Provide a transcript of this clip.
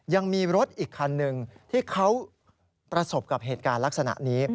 ยังมีรถอีกคันหนึ่งที่เขาประสบกับเหตุการณ์ลักษณะนี้